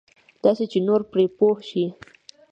داسې چې نور پرې پوه شي.